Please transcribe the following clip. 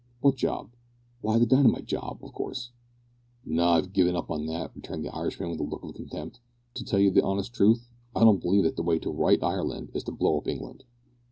"What job?" "Why, the dynamite job, of course." "No, I've gi'n that up," returned the Irishman with a look of contempt. "To tell you the honest truth, I don't believe that the way to right Ireland is to blow up England.